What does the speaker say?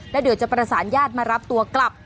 แล้วเดี๋ยวจะประสานญาติมารับตัวกลับ